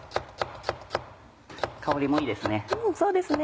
香りもいいですね。